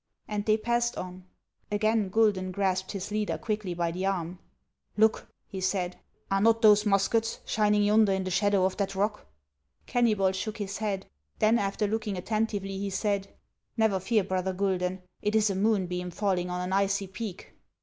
And they passed on. Again Guidon grasped his leader, quickly by the arm. " Look !" he said ;" are not those muskets, shining yonder in the shadow of that rock ?" Kennybol shook his head ; then, after looking atten tively, he said, " Xever fear, brother Guidon ; it is a moon beam falling on an icy peak."